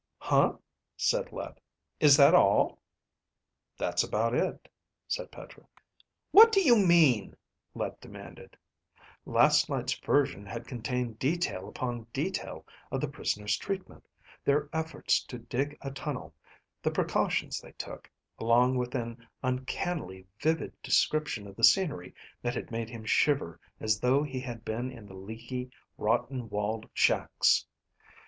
"Huh?" said Let. "Is that all?" "That's about it," said Petra. "What do you mean?" Let demanded. Last night's version had contained detail upon detail of the prisoners' treatment, their efforts to dig a tunnel, the precautions they took, along with an uncannily vivid description of the scenery that had made him shiver as though he had been in the leaky, rotten walled shacks.